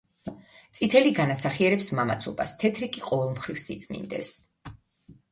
წითელი განასახიერებს მამაცობას, თეთრი კი ყოველმხრივ სიწმინდეს.